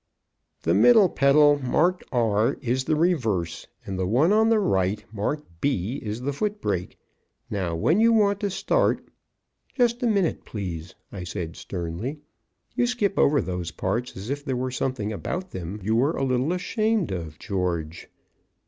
"The middle pedal, marked 'R,' is the reverse, and the one at the right, marked 'B,' is the foot brake. Now, when you want to start " "Just a minute, please," I said sternly. "You skip over those as if there were something about them you were a little ashamed of, George.